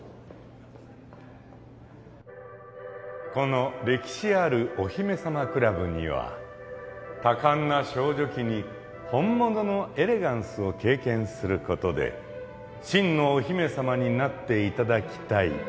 この歴史あるお姫様クラブには多感な少女期に本物のエレガンスを経験することで真のお姫さまになっていただきたい。